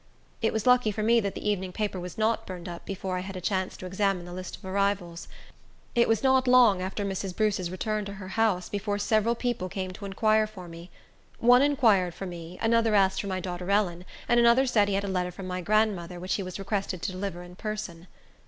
It was lucky for me that the evening paper was not burned up before I had a chance to examine the list of arrivals. It was not long after Mrs. Bruce's return to her house, before several people came to inquire for me. One inquired for me, another asked for my daughter Ellen, and another said he had a letter from my grandmother, which he was requested to deliver in person.